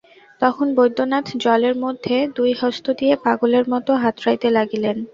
তখন বৈদ্যনাথ জলের মধ্যে দুই হস্ত দিয়া পাগলের মতো হাতড়াইতে লাগিলেন।